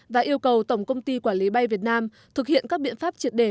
và yêu cầu tổng công ty quản lý bay việt nam thực hiện các biện pháp triệt đề